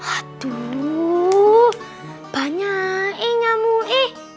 aduh banyak nyamuk